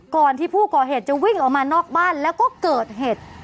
ก่อนที่ผู้ก่อเหตุจะวิ่งออกมานอกบ้านแล้วก็เกิดเหตุ